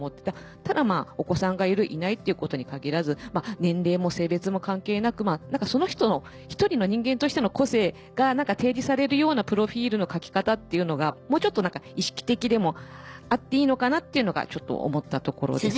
ただお子さんがいるいないっていうことに限らず年齢も性別も関係なくその人の一人の人間としての個性が提示されるようなプロフィルの書き方っていうのがもうちょっと意識的でもあっていいのかなっていうのがちょっと思ったところです。